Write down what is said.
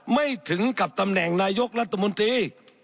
ไม่ถึงกับตำแหน่งนายกรัฐมนตรี